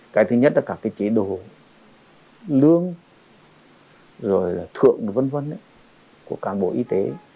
cái thứ nhất là các cái chế độ lương rồi là thượng vân vân của cán bộ y tế